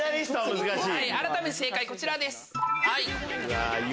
改めて正解こちらです。